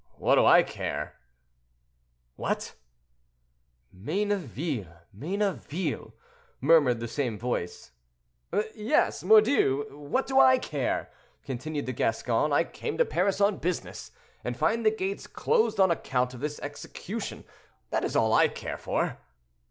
"What do I care?" "What!" "Mayneville! Mayneville!" murmured the same voice. "Yes, mordieu! what do I care?" continued the Gascon, "I came to Paris on business, and find the gates closed on account of this execution—that is all I care for."